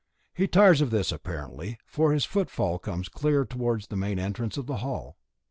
He tires of this apparently, for his footfall comes clear towards the main entrance to the hall.